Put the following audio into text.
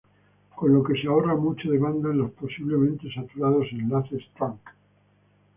Con lo que se ahorra ancho de banda en los posiblemente saturados enlaces "trunk".